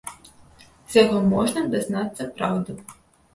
З яго можна дазнацца праўду.